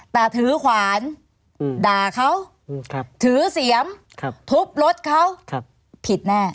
แต่ถือขวานด่าเขาถือเสียมทุบรถเขาผิดแน่